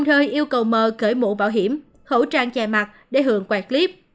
h yêu cầu m cởi mũ bảo hiểm khẩu trang chạy mặt để h quạt clip